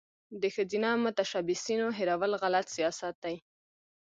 د ښځینه متشبثینو هیرول غلط سیاست دی.